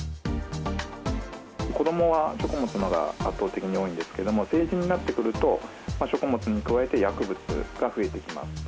子どもは食物のほうが圧倒的に多いんですけれども、成人になってくると、食物に加えて薬物が増えてきます。